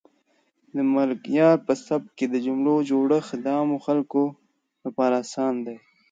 د ملکیار په سبک کې د جملو جوړښت د عامو خلکو لپاره اسان دی.